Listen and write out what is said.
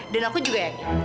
dan aku juga yakin